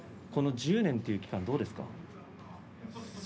この１０年という期間はどうですか。